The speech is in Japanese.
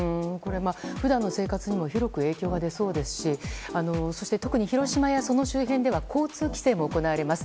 普段の生活にも広く影響が出そうですしそして、特に広島やその周辺では交通規制も行われます。